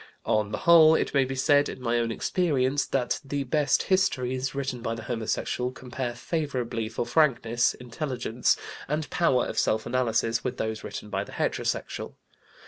On the whole, it may be said, in my own experience, that the best histories written by the homosexual compare favorably for frankness, intelligence, and power of self analysis with those written by the heterosexual.